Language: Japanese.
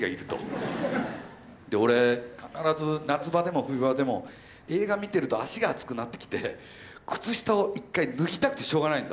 で俺必ず夏場でも冬場でも映画見てると足が熱くなってきて靴下を一回脱ぎたくてしょうがないんだ僕。